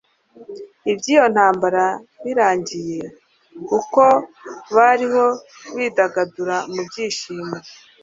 iby'iyo ntambara birangiye, uko bariho bidagadura mu byishimo